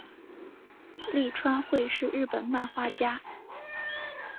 立川惠是日本漫画家。